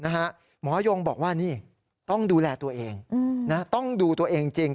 หมอยงบอกว่านี่ต้องดูแลตัวเองต้องดูตัวเองจริง